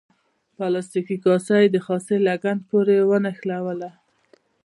پلاستیکي کاسه یې د خاصرې لګن پورې ونښلوله.